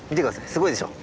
すごいでしょ。